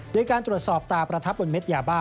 โดยการตรวจสอบตาประทับบนเม็ดยาบ้า